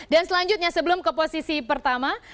dan selanjutnya sebelum ke posisi pertama